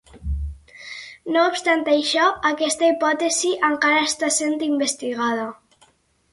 No obstant això, aquesta hipòtesi encara està sent investigada.